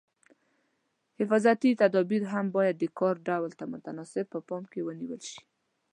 حفاظتي تدابیر هم باید د کار ډول ته متناسب په پام کې ونیول شي.